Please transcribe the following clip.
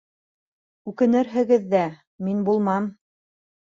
Үкенерһегеҙ ҙә, мин булмам!